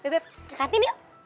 beb ke kantin yuk